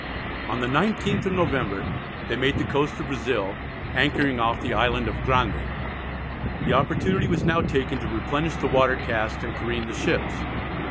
On the 19th of November they made the coast of Brazil, anchoring off the Island of Grande. The opportunity was now taken to replenish the water casks, and careen the ships.